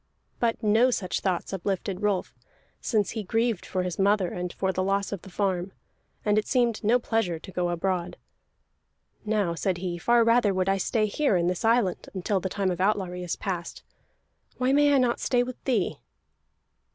But no such thoughts uplifted Rolf, since he grieved for his mother and for the loss of the farm, and it seemed no pleasure to go abroad. "Now," said he, "far rather would I stay here in this island, until the time of outlawry is past. Why may I not stay with thee?"